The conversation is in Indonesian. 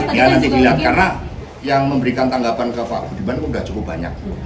ya nanti dilihat karena yang memberikan tanggapan ke pak budiman pun sudah cukup banyak